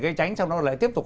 cái tránh sau đó lại tiếp tục